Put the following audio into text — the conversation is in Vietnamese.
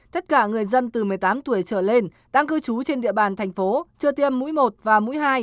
những người trên một mươi tám tuổi trở lên đang cư trú trên địa bàn tp hcm chưa tiêm mũi một và mũi hai